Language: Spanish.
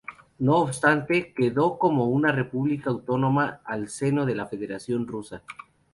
No obstante, quedó como una república autónoma al seno de la Federación Rusa.